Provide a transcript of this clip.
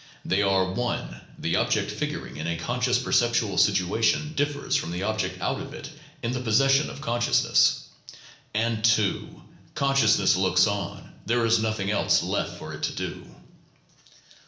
They are (1) "The object figuring in a conscious perceptual situation differs from the object out of it in the possession of consciousness;" and (2) "Consciousness looks on; there is nothing else left for it to do."